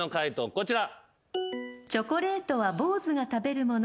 こちら。